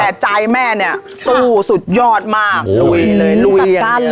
แต่ใจแม่เนี้ยสู้สุดยอดมากโอ้โหลุยเลยลุยตัดการเลย